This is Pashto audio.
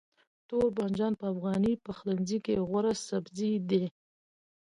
توربانجان په افغاني پخلنځي کې یو غوره سبزی دی.